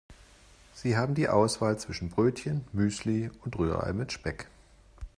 Sie haben die Auswahl zwischen Brötchen, Müsli und Rührei mit Speck.